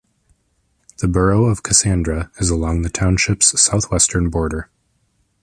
The borough of Cassandra is along the township's southwestern border.